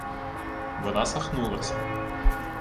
Вона сахнулась: